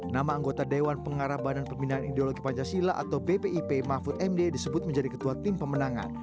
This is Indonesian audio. nama anggota dewan pengarah badan pembinaan ideologi pancasila atau bpip mahfud md disebut menjadi ketua tim pemenangan